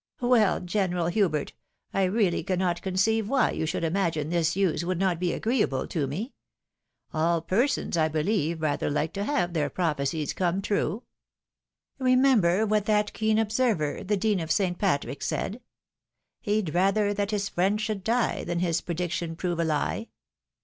Well, General Hubert !— I really cannot conceive why you should imagine this news woiild not be agreeable to me. All persons, I beheve, 144 THE •WIDOW MARRIED. rather like to have their prophecies come true. Remember what that keen observer the Dean of St. Patrick said, He'd rather that his friend should die Thaa his prediction prove a lie.